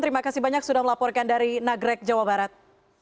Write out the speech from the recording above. terima kasih banyak sudah melaporkan dari nagrek jawa barat